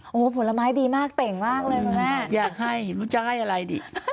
โอ้โหผลไม้ดีมากเต่งมากเลยคุณแม่อยากให้รู้จะให้อะไรดิ